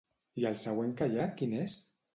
I el següent que hi ha quin és?